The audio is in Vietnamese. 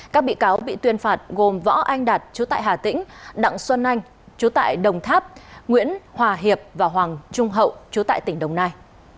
các bị cáo bị tuyên phạt gồm võ anh đạt chú tại hà tĩnh đặng xuân anh chú tại đồng tháp nguyễn hòa hiệp và hoàng trung hậu chú tại tỉnh đồng nai